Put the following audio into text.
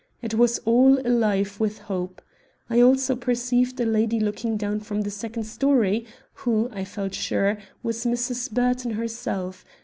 It was all alive with hope. I also perceived a lady looking down from the second story, who, I felt sure, was Mrs. Burton herself.